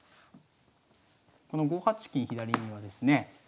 この５八金左にはですね